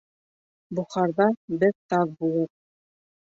Бохарҙа бер таҙ булыр.